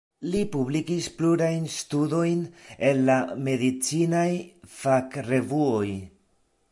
Li publikis plurajn studojn en la medicinaj fakrevuoj.